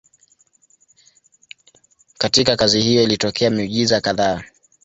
Katika kazi hiyo ilitokea miujiza kadhaa.